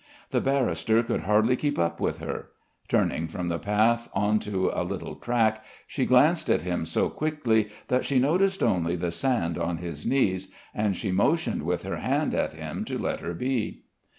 The barrister could hardly keep up with her. Turning from the path on to a little track, she glanced at him so quickly that she noticed only the sand on his knees, and she motioned with her hand at him to let her be.